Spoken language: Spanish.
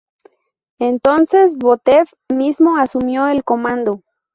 Entonces Botev mismo asumió el comando.